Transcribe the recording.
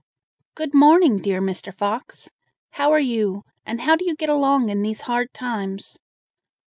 "Good morning, dear Mr. Fox! how are you, and how do you get along in these hard times?"